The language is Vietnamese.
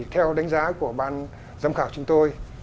theo đánh giá của ban giám khảo chúng tôi